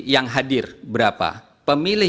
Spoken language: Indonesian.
yang hadir berapa pemilih